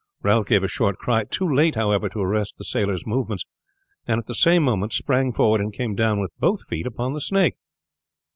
Ralph gave a short cry too late, however, to arrest the sailor's movements and at the same moment sprang forward and came down with both feet upon the snake.